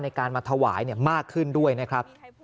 ในการมาถวายมากขึ้นด้วยนะครับ